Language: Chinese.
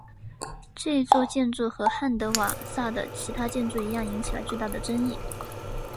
这座建筑和汉德瓦萨的其他建筑一样引起了巨大的争议。